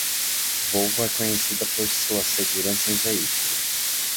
Volvo é conhecida por sua segurança em veículos.